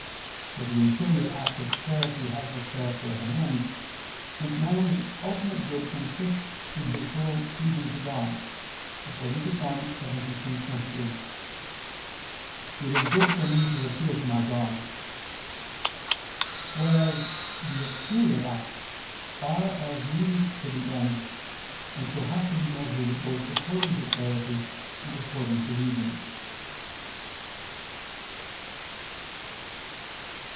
For the interior act of charity has the character of an end, since man's ultimate good consists in his soul cleaving to God, according to Ps. 72:28: "It is good for me to adhere to my God"; whereas the exterior acts are as means to the end, and so have to be measured both according to charity and according to reason.